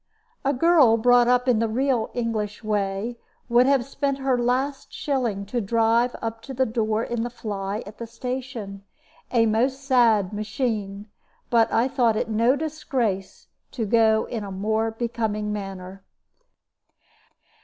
A girl brought up in the real English way would have spent her last shilling to drive up to the door in the fly at the station a most sad machine but I thought it no disgrace to go in a more becoming manner.